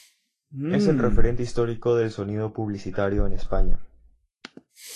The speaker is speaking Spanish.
Es el referente histórico del sonido publicitario en España.